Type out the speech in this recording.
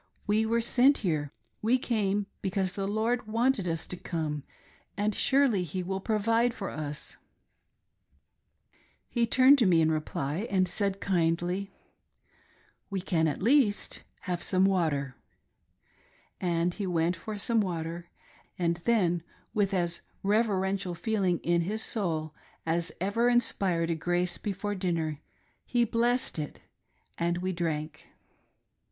We were sent here; we came because the Lord wanted us to come, and surely He will provide for us !" He turned to me in reply, and said kindly, " We can at least have some water," and he went for some water, and then with as reverential feeling in his soul as ever inspired a grace before dinner, he blessed it, and we drank.